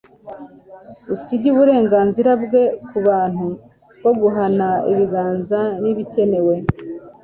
usige uburenganzira bwe kubuntu bwo guhana ibiganza nibikenewe